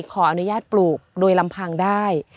ขออนุญาตปลูกโดยลำพังได้